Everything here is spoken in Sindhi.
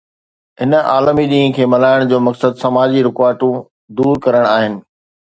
هن عالمي ڏينهن کي ملهائڻ جو مقصد سماجي رڪاوٽون دور ڪرڻ آهي